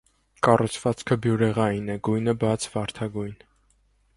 Կառուցվածքը բյուրեղային է, գույնը՝ բաց վարդագույն։